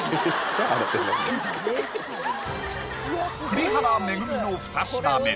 栗原恵の２品目